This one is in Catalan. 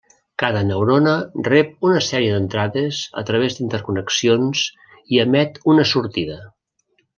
Cada neurona rep una sèrie d'entrades a través d'interconnexions i emet una sortida.